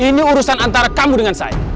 ini urusan antara kamu dengan saya